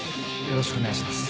よろしくお願いします。